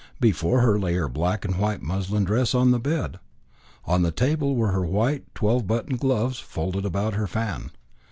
Before her lay her black and white muslin dress on the bed; on the table were her white twelve button gloves folded about her fan.